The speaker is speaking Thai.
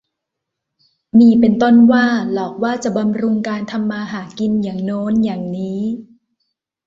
มีเป็นต้นว่า หลอกว่าจะบำรุงการทำมาหากินอย่างโน้นอย่างนี้